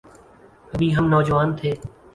ابھی ہم نوجوان تھے۔